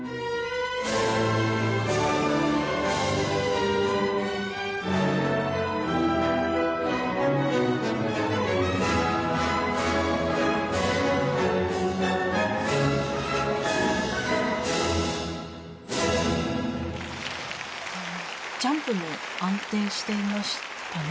次はジャンプも安定していましたね。